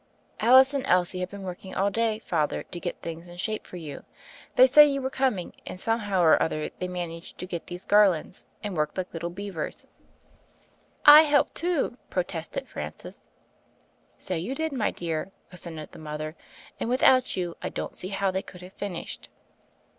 "Alice and Elsie have been working all day. Father, to get things in shape for you. They said you were coming and somehow or other they managed to get these garlands, and worked like little beavers." 78 THE FAIRY OF THE SNOWS "I helped, too," protested Francis. "So you did, my dear," assented the mother, "and without you, I don't see how they could have finished."